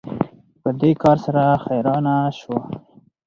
په دې کار سره حیرانه شو